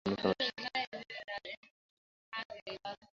এখন, এই গ্রহটারে চিরতরে বিদায় জানানোর সময় এসেছে।